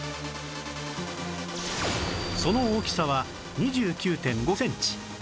その大きさは ２９．５ センチ